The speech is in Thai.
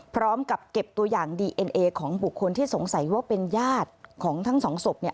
พร้อมกับเก็บตัวอย่างดีเอ็นเอของบุคคลที่สงสัยว่าเป็นญาติของทั้งสองศพเนี่ย